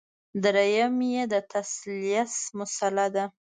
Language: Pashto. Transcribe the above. درېیم یې د تثلیث مسله ده.